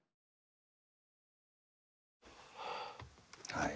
はい。